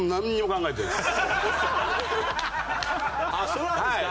そうなんですか。